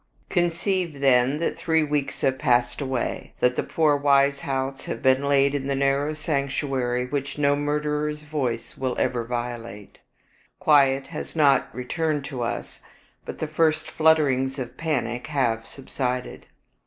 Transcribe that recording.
Conceive, then, that three weeks have passed away, that the poor Weishaupts have been laid in that narrow sanctuary which no murderer's voice will ever violate. Quiet has not returned to us, but the first flutterings of panic have subsided.